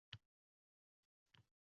Xudo xohlasa, yozaman